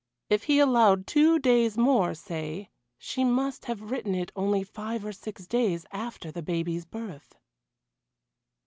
If he allowed two days more, say she must have written it only five or six days after the baby's birth.